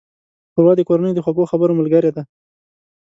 ښوروا د کورنۍ د خوږو خبرو ملګرې ده.